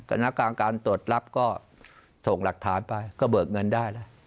สถานการณ์การตรวจรับก็ส่งหลักฐานไปก็เบิกเงินได้แล้ว